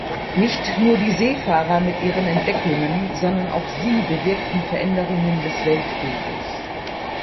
Nicht nur die Seefahrer mit ihren Entdeckungen, sondern auch sie bewirkten Veränderungen des Weltbildes.